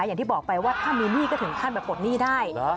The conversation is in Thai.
อย่างที่บอกไปว่าถ้ามีหนี้ก็ถึงขั้นไปปลดหนี้ได้